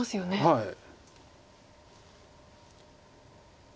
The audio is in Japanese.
はい。